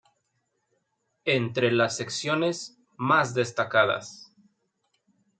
Entre las secciones más destacadas;